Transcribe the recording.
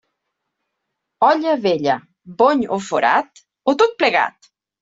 Olla vella, bony o forat, o tot plegat.